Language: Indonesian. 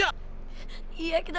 itu time lukis ya